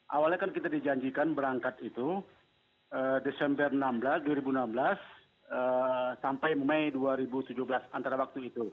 awalnya kan kita dijanjikan berangkat itu desember dua ribu enam belas sampai mei dua ribu tujuh belas antara waktu itu